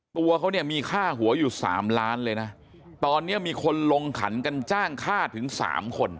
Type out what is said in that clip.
ตัวเขาเนี่ยมีค่าหัวอยู่สามล้านเลยนะตอนนี้มีคนลงขันกันจ้างค่าถึงสามคน